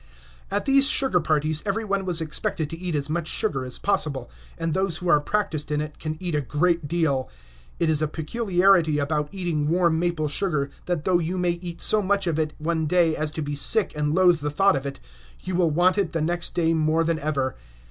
At these sugar parties every one was expected to eat as much sugar as possible; and those who are practiced in it can eat a great deal. It is a peculiarity about eating warm maple sugar, that though you may eat so much of it one day as to be sick and loathe the thought of it, you will want it the next day more than ever.